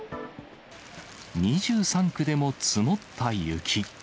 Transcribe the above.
２３区でも積もった雪。